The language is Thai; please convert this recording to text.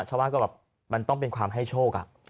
ชาวบ้านก็แบบมันต้องเป็นความให้โชค